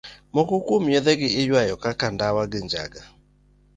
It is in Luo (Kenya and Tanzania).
Moko kuom yedhe gi iywayo kaka ndawa gi janga.